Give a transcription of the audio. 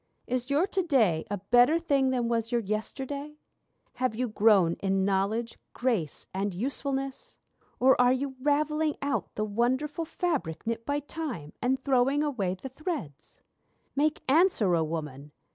Is your to day a better thing than was your yesterday? Have you grown in knowledge, grace, and usefulness? Or are you ravelling out the wonderful fabric knit by Time, And throwing away the threads? Make answer, O Woman!